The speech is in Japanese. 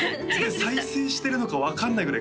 再生してるのか分かんないぐらい